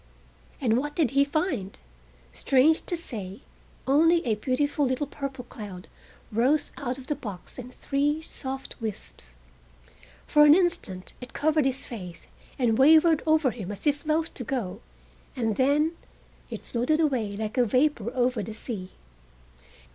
And what did he find? Strange to say only a beautiful little purple cloud rose out of the box in three soft wisps. For an instant it covered his face and wavered over him as if loath to go, and then it floated away like vapor over the sea.